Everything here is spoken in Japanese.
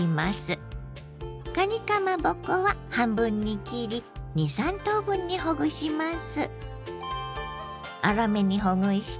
かにかまぼこは半分に切り２３等分にほぐします。